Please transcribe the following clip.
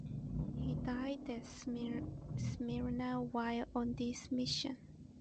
He died at Smyrna while on this mission.